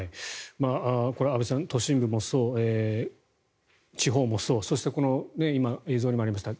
これ、安部さん都心部もそう、地方もそうそして、今、映像にもありました